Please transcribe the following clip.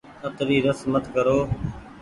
اتري رس مت ڪرو۔